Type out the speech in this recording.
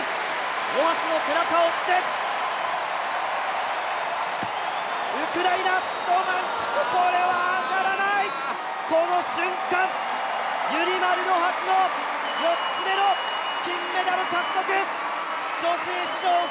ロハスの背中を追って、ウクライナ、ロマンチュク、これは上がらない、この瞬間、ユリマル・ロハスの明治動したらザバス。